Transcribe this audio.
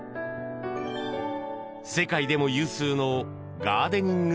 世界でも有数のガーデニング